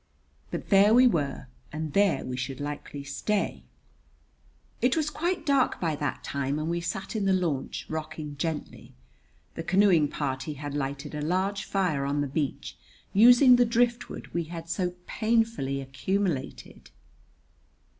But there we were and there we should likely stay. It was quite dark by that time, and we sat in the launch, rocking gently. The canoeing party had lighted a large fire on the beach, using the driftwood we had so painfully accumulated.